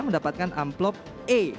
mendapatkan amplop e